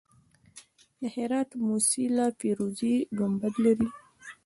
د هرات موسیلا فیروزي ګنبد لري